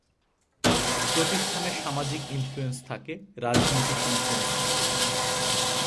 প্রতিষ্ঠানে সামাজিক ইনফ্লুয়েন্স থাকে, রাজনৈতিক ইনফ্লুয়েন্স থাকে।